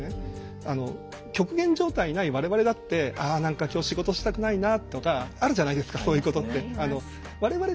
極限状態にない我々だって「あ何か今日仕事したくないな」とかあるじゃないですかそういうことって。あります。